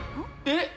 えっ？